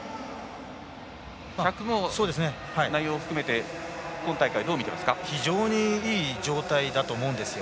１００の内容も含めて今大会、どうですか。